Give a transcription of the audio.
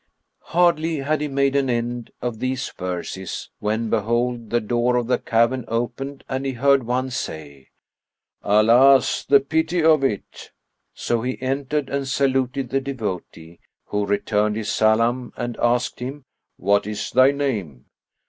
Hardly had he made an end of these verses when, behold! the door of the cavern opened and he heard one say, "Alas, the pity of it!"[FN#50] So he entered and saluted the devotee, who returned his salam and asked him, "What is thy name?"